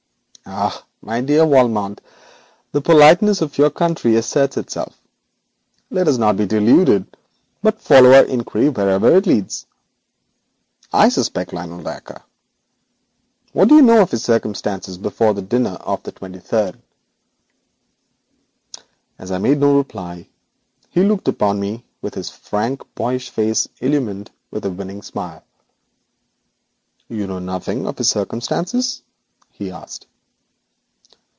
'Ah! my dear Valmont, the politeness of your country asserts itself. Let us not be deluded, but follow our inquiry wherever it leads. I suspect Lionel Dacre. What do you know of his circumstances before the dinner of the twenty third?' As I made no reply he looked up at me with his frank, boyish face illumined by a winning smile. 'You know nothing of his circumstances?' he asked.